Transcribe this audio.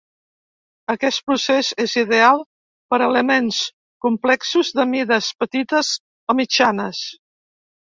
Aquest procés és ideal per elements complexos de mides petites o mitjanes.